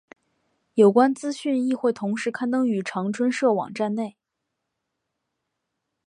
有关资讯亦会同时刊登于长春社网站内。